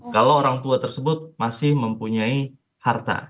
kalau orang tua tersebut masih mempunyai harta